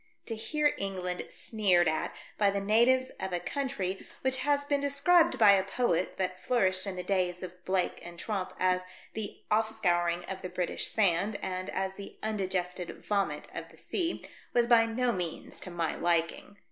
To hear England sneered at by the natives of a country which has been described by a poet that flourished in the days of Blake and Tromp as the "off scouring of the British sand," and as the " undigested vomit of the sea," was by no means to my liking.